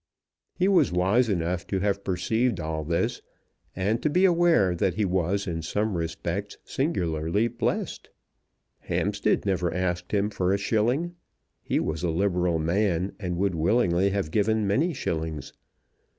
He was wise enough to have perceived all this, and to be aware that he was in some respects singularly blest. Hampstead never asked him for a shilling. He was a liberal man, and would willingly have given many shillings.